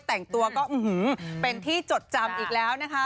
แต่งตัวก็เป็นที่จดจำอีกแล้วนะคะ